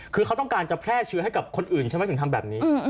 คือเขาต้องการจะแพร่เชื้อให้กับคนอื่นใช่ไหมถึงทำแบบนี้